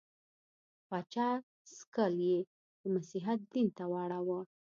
پاچا سکل یې د مسیحیت دین ته واړاوه.